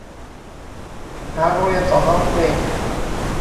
หาโรงเรียนสอนร้องเพลง